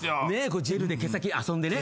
ジェルで毛先遊んでね。